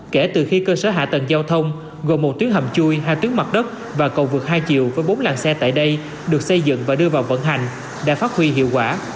kể từ khi cơ sở hạ tầng giao thông gồm một tuyến hầm chui hai tuyến mặt đất và cầu vượt hai chiều với bốn làng xe tại đây được xây dựng và đưa vào vận hành đã phát huy hiệu quả